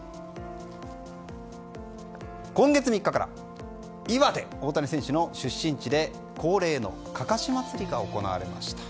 今月３日から岩手、大谷選手の出身地で恒例のかかし祭りが行われました。